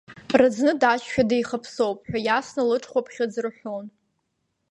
Раӡны даҷшәа деихаԥсоуп, ҳәа иасны лыҽхәаԥхьыӡ рҳәон.